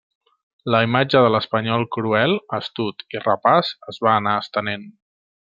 La imatge de l'espanyol cruel, astut i rapaç es va anar estenent.